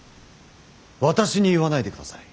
私に言わないでください。